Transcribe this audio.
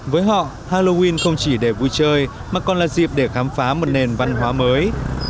với họ halloween không chỉ để vui chơi mà còn là dịp để khám phá một nền văn hóa mới